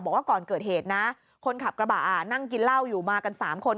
บอกว่าก่อนเกิดเหตุนะคนขับกระบะนั่งกินเหล้าอยู่มากัน๓คน